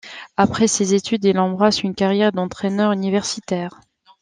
Après ses études, il embrasse une carrière d'entraîneur universitaire.